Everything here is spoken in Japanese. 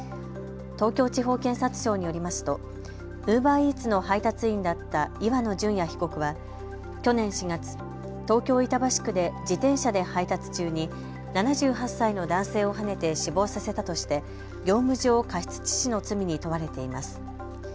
東京地方検察庁によりますとウーバーイーツの配達員だった岩野純也被告は去年４月、東京板橋区で自転車で配達中に７８歳の男性をはねて死亡させたとして業務上過失致死の罪に問われています。